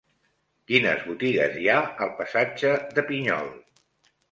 Quines botigues hi ha al passatge de Pinyol?